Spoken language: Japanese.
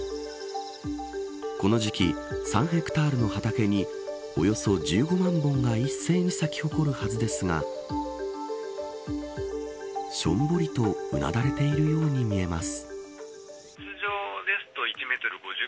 この時期３ヘクタールの畑におよそ１５万本が一斉に咲き誇るはずですがしょんぼりとうなだれているように見えます。